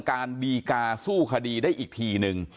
การดีกาสู้คดีได้อีกทีนึง